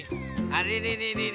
あれれれれれ。